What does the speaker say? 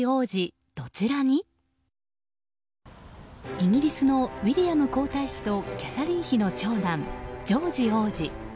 イギリスのウィリアム皇太子とキャサリン妃の長男ジョージ王子。